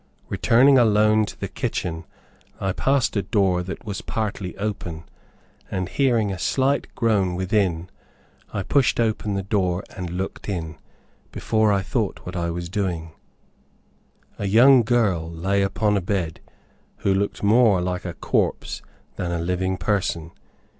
Returning alone to the kitchen, I passed a door that was partly open, and hearing a slight groan within, I pushed open the door and looked in, before I thought what I was doing. A young girl lay upon a bed, who looked more like a corpse than a living person.